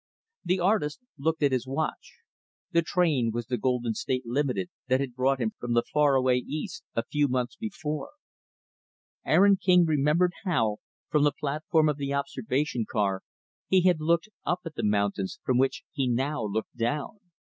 The artist looked at his watch. The train was the Golden State Limited that had brought him from the far away East, a few months before. Aaron King remembered how, from the platform of the observation car, he had looked up at the mountains from which he now looked down.